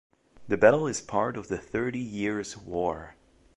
The battle is part of the Thirty Years' War.